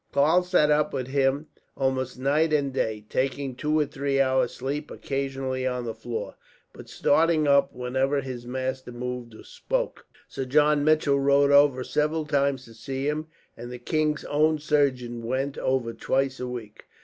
Karl sat up with him almost night and day, taking two or three hours' sleep occasionally on the floor, but starting up whenever his master moved or spoke. Sir John Mitchell rode over several times to see him, and the king's own surgeon went over twice a week.